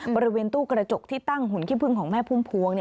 บริเวณตู้กระจกที่ตั้งหุ่นขี้พึ่งของแม่พุ่มพวง